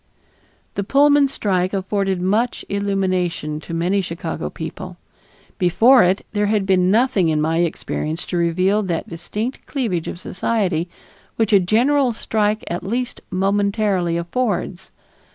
The Pullman strike afforded much illumination to many Chicago people. Before it, there had been nothing in my experience to reveal that distinct cleavage of society, which a general strike at least momentarily affords.